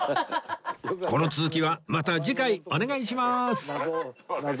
この続きはまた次回お願いしまーす